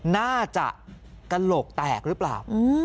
น่าจะกระโหลกแตกหรือเปล่า